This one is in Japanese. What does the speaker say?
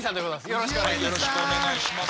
よろしくお願いします。